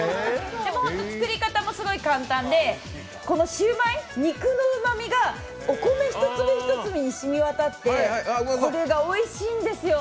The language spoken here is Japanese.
作り方もすごい簡単で、シューマイ、肉のうまみがお米一粒一粒に染みわたってこれがおいしいんですよ。